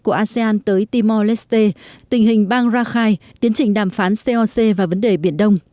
của asean tới timor leste tình hình bang rakhine tiến trình đàm phán coc và vấn đề biển đông